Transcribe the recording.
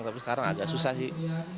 tapi sekarang agak susah sih